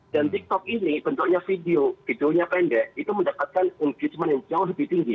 tiktok ini bentuknya video videonya pendek itu mendapatkan engagement yang jauh lebih tinggi